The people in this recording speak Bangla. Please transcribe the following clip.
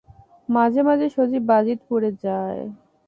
মাঝে মাঝে শশী বাজিতপুরে যায়।